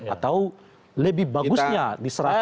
atau lebih bagusnya diseraikan kepada partai